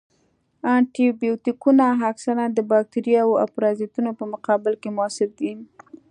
انټي بیوټیکونه اکثراً د باکتریاوو او پرازیتونو په مقابل کې موثر دي.